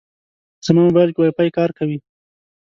زما موبایل کې وايفای کار کوي.